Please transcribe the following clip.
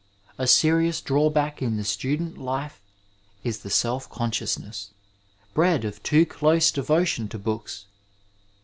A serious drawback in the student life is the selfconsciousness, bred of too close devotion to books.